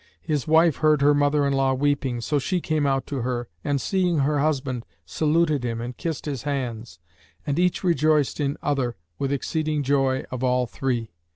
His wife heard her mother in law weeping; so she came out to her and seeing her husband, saluted him and kissed his hands; and each rejoiced in other with exceeding joy of all three.